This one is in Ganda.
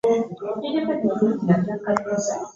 Kika ki mu Buganda ekikyasinze okuleeta ba Kabaka abangi?